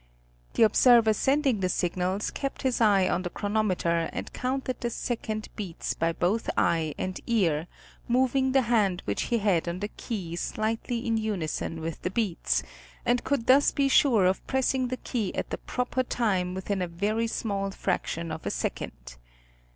The observer sending the signals kept his eye on the chronometer and counted the second beats by both eye and ear, moving the hand which he had on the key slightly in unison with the beats, and could thus be sure of pressing the key at the proper time within a very small fraction of a second.